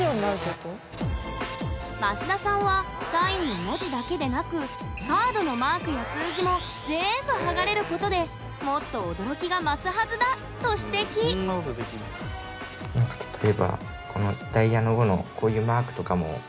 益田さんはサインの文字だけでなくカードのマークや数字も全部剥がれることでもっと驚きが増すはずだと指摘ほんまやね